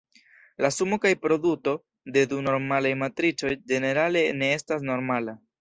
La sumo kaj produto de du normalaj matricoj ĝenerale ne estas normala.